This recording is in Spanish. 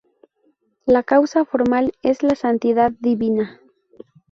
La "causa formal" es la santidad divina.